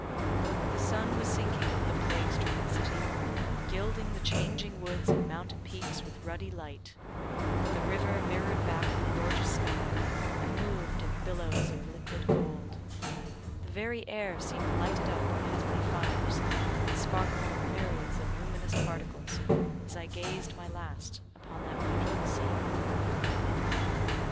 The sun was sinking over the plague stricken city, gilding the changing woods and mountain peaks with ruddy light; the river mirrored back the gorgeous sky, and moved in billows of liquid gold; the very air seemed lighted up with heavenly fires, and sparkled with myriads of luminous particles, as I gazed my last upon that beautiful scene.